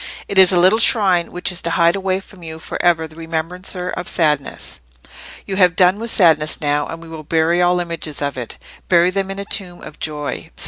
"It is a little shrine, which is to hide away from you for ever that remembrancer of sadness. You have done with sadness now; and we will bury all images of it—bury them in a tomb of joy.